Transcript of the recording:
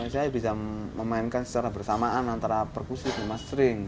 saya bisa memainkan secara bersamaan antara perkusi sama string